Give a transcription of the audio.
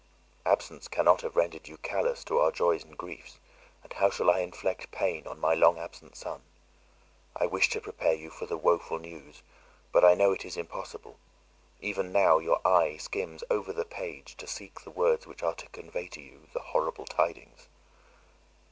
Absence cannot have rendered you callous to our joys and griefs; and how shall I inflict pain on my long absent son? I wish to prepare you for the woeful news, but I know it is impossible; even now your eye skims over the page to seek the words which are to convey to you the horrible tidings.